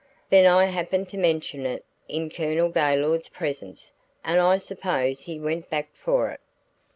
Then I happened to mention it in Colonel Gaylord's presence, and I suppose he went back for it.'